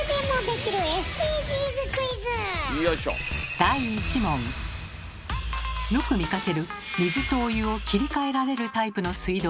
題してよく見かける水とお湯を切り替えられるタイプの水道。